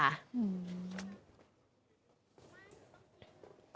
อืม